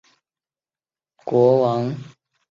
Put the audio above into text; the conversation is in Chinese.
希优顿是洛汗国王塞哲尔最为要好。